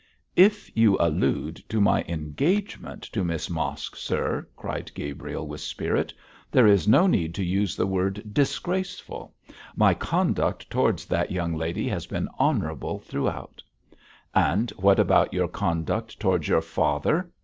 'If you allude to my engagement to Miss Mosk, sir,' cried Gabriel, with spirit, 'there is no need to use the word disgraceful. My conduct towards that young lady has been honourable throughout.' 'And what about your conduct towards your father?'